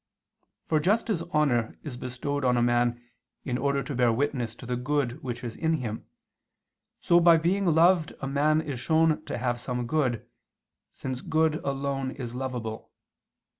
For just as honor is bestowed on a man in order to bear witness to the good which is in him, so by being loved a man is shown to have some good, since good alone is lovable.